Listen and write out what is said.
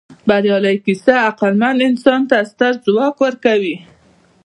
بریالۍ کیسه عقلمن انسان ته ستر ځواک ورکوي.